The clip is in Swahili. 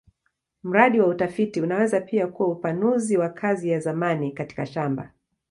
Mradi wa utafiti unaweza pia kuwa upanuzi wa kazi ya zamani katika shamba.